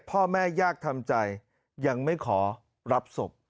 พ่อแม่ยากทำใจยังไม่ขอรับศพ